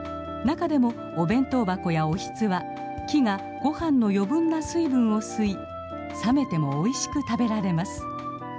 中でもお弁当箱やおひつは木がご飯の余分な水分を吸い冷めてもおいしく食べられます。